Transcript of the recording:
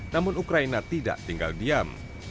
namun ukraina tidak tinggal diam